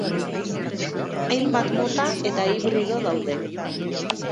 Hainbat mota eta hibrido daude.